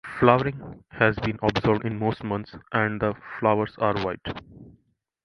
Flowering has been observed in most months and the flowers are white.